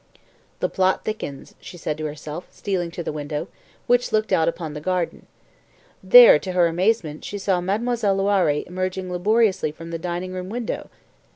"The plot thickens," she said to herself, stealing to the window, which looked out upon the garden. There, to her amazement, she saw Mademoiselle Loiré emerging laboriously from the dining room window.